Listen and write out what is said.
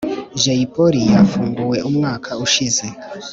jay polly yafunguwe umwaka ushize